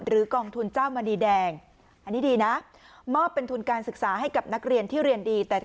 กองทุนเจ้ามณีแดงอันนี้ดีนะมอบเป็นทุนการศึกษาให้กับนักเรียนที่เรียนดีแต่